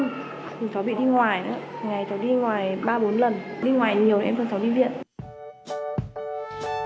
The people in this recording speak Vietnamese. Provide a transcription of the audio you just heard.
ngày cháu đi ngoài ba bốn lần đi ngoài nhiều em còn cháu đi viện